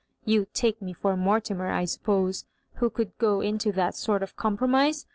•* You take me for Mortimer, I Btippose, who could go into that sort of a compro mise ?